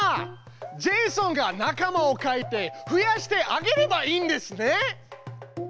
ジェイソンが仲間を描いて増やしてあげればいいんですね！